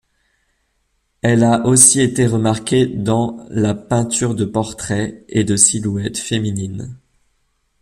Elle a aussi été remarquée dans la peinture de portraits, et de silhouettes féminines.